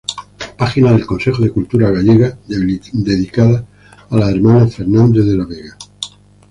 Página del Consejo de Cultura Gallega dedicada a las hermanas Fernández de la Vega